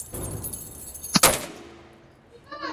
بە تەنیا ئەوە شارەزای کۆسپ و کەنداڵی ڕێیە